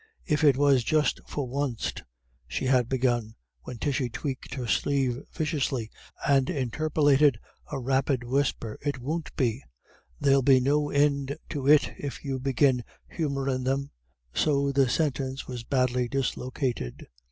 "If it was just for wunst," she had begun, when Tishy tweaked her sleeve viciously and interpolated a rapid whisper, "It wont be; there'll be no ind to it if you begin humourin' them," so the sentence was badly dislocated.